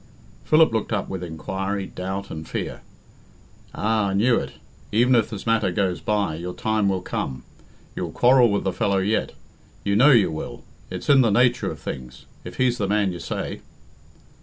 Philip looked up with inquiry, doubt, and fear. "Ah! I knew it. Even if this matter goes by, your time will come. You'll quarrel with the fellow yet you know you will it's in the nature of things if he's the man you say."